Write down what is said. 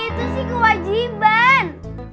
itu sih kewajiban